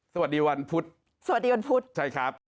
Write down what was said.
สวัสดีวันพุทธใช่ครับ